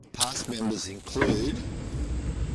Past members include...